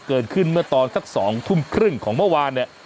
เกิดขึ้นเมื่อตอนสัก๒ทุ่มครึ่งของเมื่อวานเนี่ย